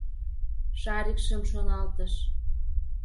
Шарикшым шоналтыш.